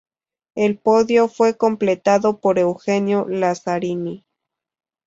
El podio fue completado por Eugenio Lazzarini.